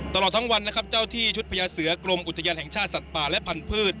ตลอดทั้งวันนะครับเจ้าที่ชุดพญาเสือกรมอุทยานแห่งชาติสัตว์ป่าและพันธุ์